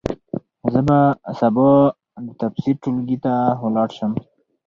زه به سبا د تفسیر ټولګي ته ولاړ شم.